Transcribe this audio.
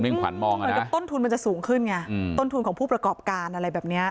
เท่าที่ต้นทุนมันจะสูงขึ้นไงต้นทุนของผู้ประกอบกาล